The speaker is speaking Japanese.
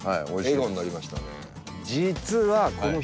笑顔になりましたね。